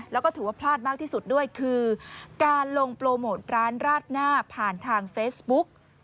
แล้วก็ถือว่าพลาดมากที่สุดด้วยคือการลงโปรโมทร้านราดหน้าผ่านทางเฟซบุ๊ก